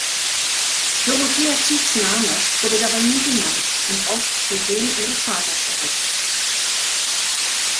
Dorothea Tiecks Name wurde dabei nie genannt und oft durch den ihres Vaters ersetzt.